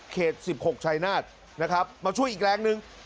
๑๖ชายนาฏนะครับมาช่วยอีกแรงหนึ่ง